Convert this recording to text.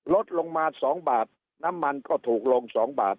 ลดลงมา๒บาทน้ำมันก็ถูกลง๒บาท